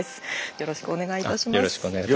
よろしくお願いします。